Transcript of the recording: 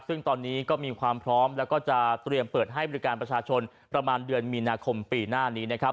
ซึ่งตอนนี้ก็มีความพร้อมแล้วก็จะเตรียมเปิดให้บริการประชาชนประมาณเดือนมีนาคมปีหน้านี้นะครับ